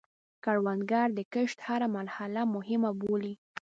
کروندګر د کښت هره مرحله مهمه بولي